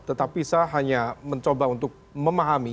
tetapi saya hanya mencoba untuk memahami